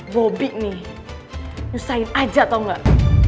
bobi nih nyusahin aja tau gak